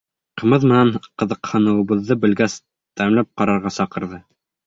Ҡымыҙ менән ҡыҙыҡһыныуыбыҙҙы белгәс, тәмләп ҡарарға саҡырҙы.